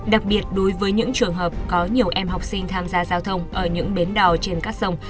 đặc biệt đối với những trường hợp có nhiều em học sinh tham gia giao thông ở những bến đò trên các sông